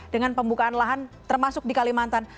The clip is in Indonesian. dengan pembukaan lahan termasuk di kalimantan